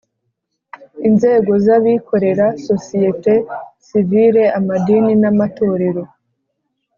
Inzego z Abikorera Sosiyete Sivile Amadini n Amatorero